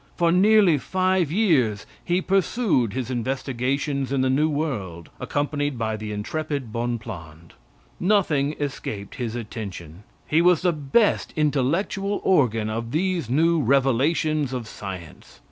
For nearly five years he pursued his investigations in the new world, accompanied by the intrepid Bonpland. Nothing escaped his attention. He was the best intellectual organ of these new revelations of science.